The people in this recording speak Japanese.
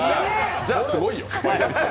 じゃあすごいよ。